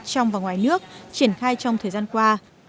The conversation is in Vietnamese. trong và ngoài nước triển khai trong thời gian qua